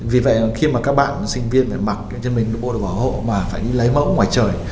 vì vậy khi mà các bạn sinh viên phải mặc những chân mình bộ đồ gỏ hộ và phải đi lấy mẫu ngoài trời